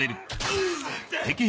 うっ！